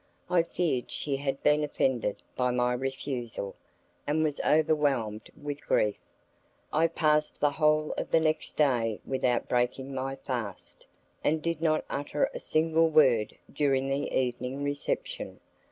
I feared she had been offended by my refusal, and was overwhelmed with grief. I passed the whole of the next day without breaking my fast, and did not utter a single word during the evening reception.